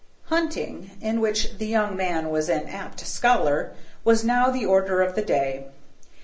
Hunting, in which the young man was an apt scholar, was now the order of the day.